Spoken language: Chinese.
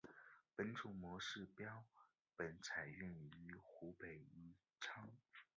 本种模式标本采自于湖北宜昌。